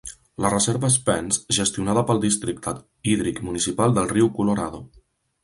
La reserva Spence, gestionada pel districte hídric municipal del riu Colorado.